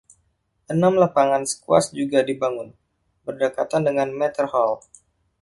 Enam lapangan skuas juga dibangun, berdekatan dengan Mather Hall.